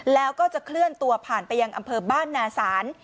แล้วก็จะเคลื่อนตัวผ่านไปยังอำเภอบ้านนาศาล